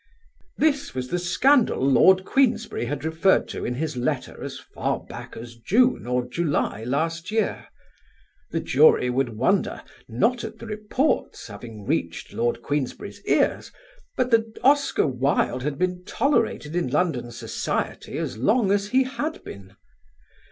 This was the scandal Lord Queensberry had referred to in his letter as far back as June or July last year. The jury would wonder not at the reports having reached Lord Queensberry's ears, but that Oscar Wilde had been tolerated in London society as long as he had been.